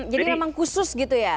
jadi memang khusus gitu ya